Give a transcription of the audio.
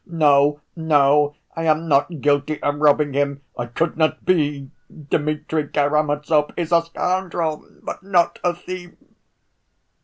No, no, I am not guilty of robbing him! I could not be. Dmitri Karamazov is a scoundrel, but not a thief."